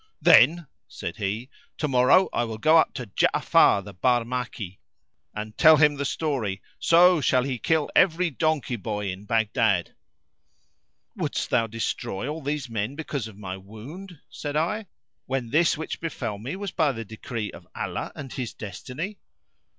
"Then," said he, "tomorrow I will go up to Ja'afar the Barmaki and tell him the story, so shall he kill every donkey boy in Baghdad." "Wouldst thou destroy all these men because of my wound," said I, "when this which befel me was by decree of Allah and His destiny?"